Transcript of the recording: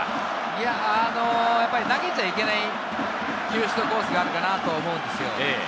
いや、投げちゃいけない球種とコースがあるかなと思うんですよ。